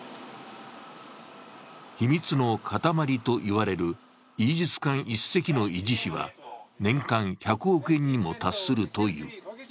秘密の塊と言われるイージス艦１隻の維持費は年間１００億円にも達するという。